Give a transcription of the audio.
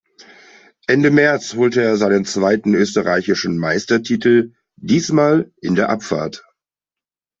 Ende März holte er seinen zweiten österreichischen Meistertitel, diesmal in der Abfahrt.